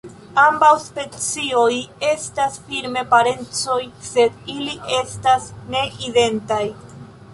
Ambaŭ specioj estas firme parencoj, sed ili estas ne identaj.